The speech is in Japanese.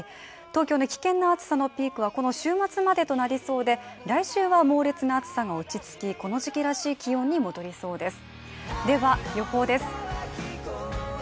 東京の危険な暑さのピークはこの週末までとなりそうで来週は猛烈な暑さが落ち着き、この時季らしい気温に戻りそうです。